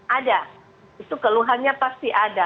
ada itu keluhannya pasti ada